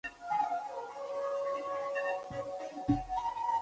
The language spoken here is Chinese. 中国福利彩票的双色球游戏就是源自美国的强力球。